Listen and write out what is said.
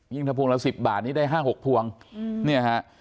ยิ่งถ้าพวงละสิบบาทนี่ได้ห้าหกพวงอืมเนี่ยฮะ